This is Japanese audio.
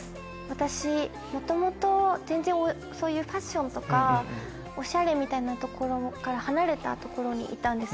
私もともと全然そういうファッションとかおしゃれみたいなところから離れたところにいたんです。